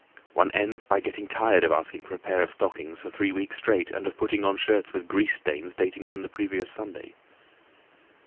One ends by getting tired of asking for a pair of stockings for three weeks straight, and of putting on shirts with grease stains dating from the previous Sunday.